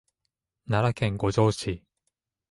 奈良県五條市